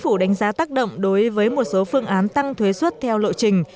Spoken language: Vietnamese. chính phủ đánh giá tác động đối với một số phương án tăng thuế xuất theo lộ trình